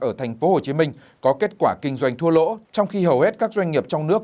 ở thành phố hồ chí minh có kết quả kinh doanh thua lỗ trong khi hầu hết các doanh nghiệp trong nước